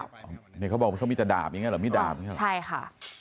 เขาบอกว่าเขามีแต่ดาบอย่างนี้เหรอมีดาบอย่างนี้หรอใช่ค่ะ